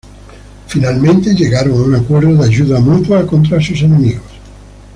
Finalmente llegaron a un acuerdo de ayuda mutua contra sus enemigos.